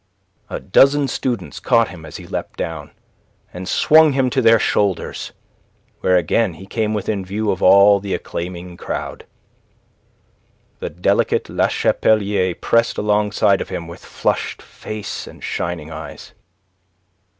A dozen students caught him as he leapt down, and swung him to their shoulders, where again he came within view of all the acclaiming crowd. The delicate Le Chapelier pressed alongside of him with flushed face and shining eyes.